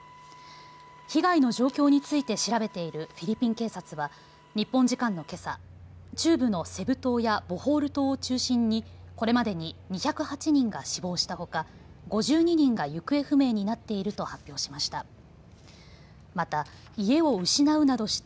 被害の状況について調べているフィリピン警察は日本時間のけさ、中部のセブ島やボホール島を中心にこれまでに２０８人が死亡したほか、５２人が行方不明になっていると発表しました。